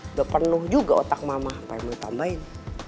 udah penuh juga otak mama apa yang mau tambahin